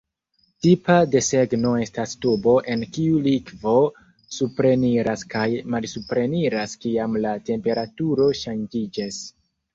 Tipa desegno estas tubo en kiu likvo supreniras kaj malsupreniras kiam la temperaturo ŝanĝiĝas.